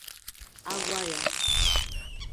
a gwa ya